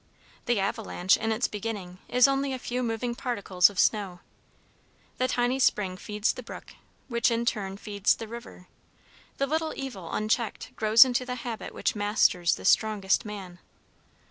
The avalanche, in its beginning, is only a few moving particles of snow; the tiny spring feeds the brook, which in turn feeds the river; the little evil, unchecked, grows into the habit which masters the strongest man.